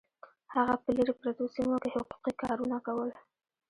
هغه په لرې پرتو سیمو کې حقوقي کارونه کول